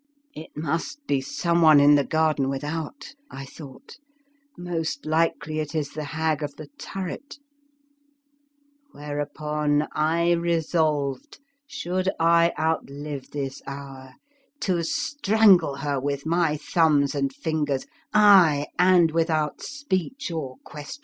M It must be someone in the garden without," I thought; most likely it is the Hag of the Turret;" whereupon I resolved, should I outlive this hour, to strangle her with my thumbs and fingers, aye, and without speech or question.